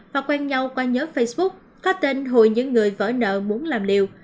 và quen nhau qua nhớ facebook có tên hùi những người vỡ nợ muốn làm liều